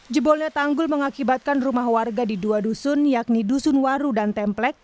jebolnya tanggul mengakibatkan rumah warga di dua dusun yakni dusun waru dan templek